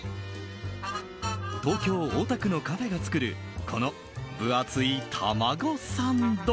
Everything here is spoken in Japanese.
東京・大田区のカフェが作るこの分厚いたまごサンド。